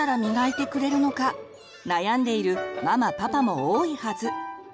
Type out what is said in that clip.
悩んでいるママパパも多いはず。